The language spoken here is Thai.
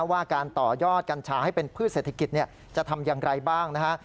ว่าการต่อยอดกัญชาให้เป็นพืชเศรษฐกิจจะทำอย่างไรบ้างนะฮะ